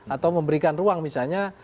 atau memberikan ruang misalnya